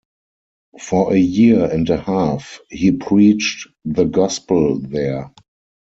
For a year and a half he preached the Gospel there.